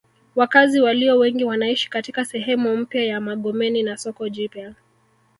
Wakazi walio wengi wanaishi katika sehemu mpya ya Magomeni na soko jipya